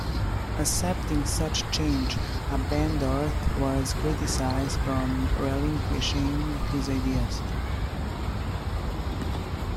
Accepting such charge, Abendroth was criticized for relinquishing his ideals.